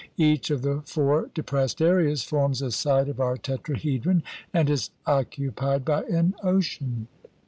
Each of the four de pressed areas forms a side of our tetrahedron and is occupied by an ocean.